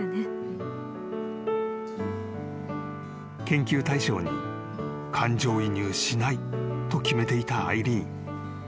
［研究対象に感情移入しないと決めていたアイリーン］